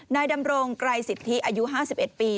นายดำรงไกรสิทธิอายุ๕๑ปี